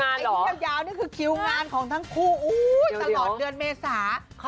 ไอ้ที่ยาวนี่คือคิวงานของทั้งคู่ตลอดเดือนเมษา